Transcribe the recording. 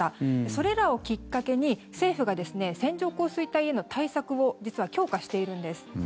それらをきっかけに政府が線状降水帯への対策を実は強化しているんです。